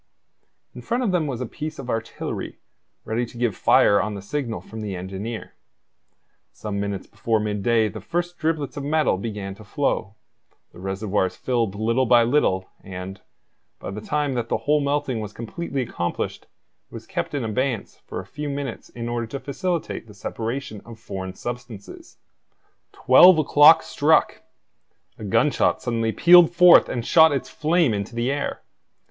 In front of them was a piece of artillery ready to give fire on the signal from the engineer. Some minutes before midday the first driblets of metal began to flow; the reservoirs filled little by little; and, by the time that the whole melting was completely accomplished, it was kept in abeyance for a few minutes in order to facilitate the separation of foreign substances. Twelve o'clock struck! A gunshot suddenly pealed forth and shot its flame into the air.